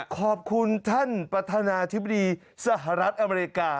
ขอบคุณท่านประธานาธิบดีสหรัฐอเมริกา